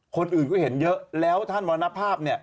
คนอื่นก็เห็นเยอะแล้วท่านมรณภาพ